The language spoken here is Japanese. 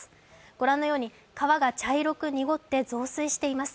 ご覧のように川が茶色く濁って増水しています。